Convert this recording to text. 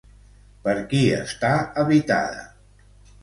Per qui està habitada?